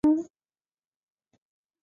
菲茨西蒙斯随后还成立了。